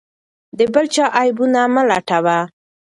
د بل چا عیبونه مه لټوه.